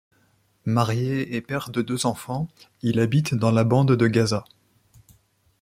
Marié et père de deux enfants, il habite dans la bande de Gaza.